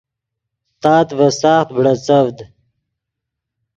تات ڤے ساخت بڑیڅڤد